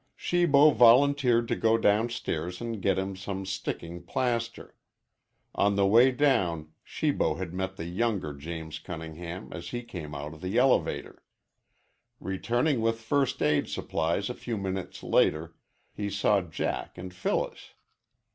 Shibo volunteered to go downstairs and get him some sticking plaster. On the way down Shibo had met the younger James Cunningham as he came out of the elevator. Returning with first aid supplies a few minutes later, he saw Jack and Phyllis.